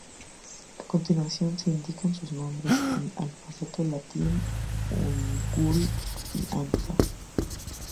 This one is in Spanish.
A continuación se indican sus nombres en alfabeto latino, Hangul, y Hanja.